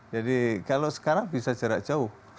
jadi kalau sekarang bisa jarak jauh